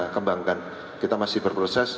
kembangkan kita masih berproses